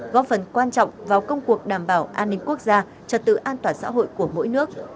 góp phần quan trọng vào công cuộc đảm bảo an ninh quốc gia trật tự an toàn xã hội của mỗi nước